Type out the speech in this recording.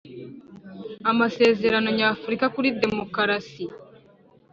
Amasezerano nyafurika kuri demokarasi